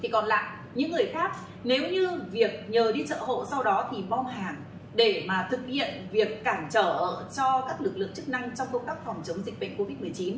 còn những người khác nếu như việc nhờ đi chợ hộ sau đó thì bom hàng để thực hiện việc cản trở cho các lực lượng chức năng trong cung cấp phòng chống dịch bệnh covid một mươi chín